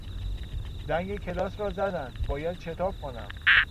زنگ کلاس را زدند باید شتاب کنم.